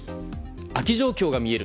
空き状況が見える。